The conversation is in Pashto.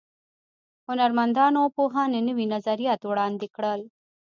هنرمندانو او پوهانو نوي نظریات وړاندې کړل.